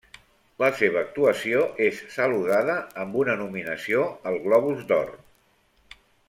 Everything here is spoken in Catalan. La seva actuació és saludada amb una nominació als Globus d'Or.